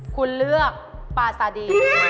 คุณเลือกปาซาดี